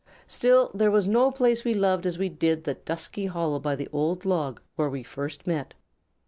Still, there was no place we loved as we did the dusky hollow by the old log where we first met.